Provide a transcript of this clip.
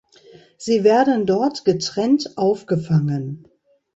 Sie werden dort getrennt aufgefangen.